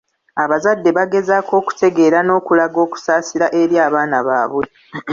Abazadde bagezeeko okutegeera n'okulaga okusaasira eri abaana baabwe.